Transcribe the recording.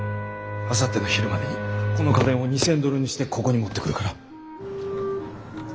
あさっての昼までにこの金を２，０００ドルにしてここに持ってくるから。